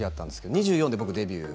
２４でデビュー。